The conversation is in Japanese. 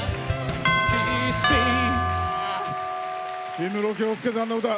氷室京介さんの歌。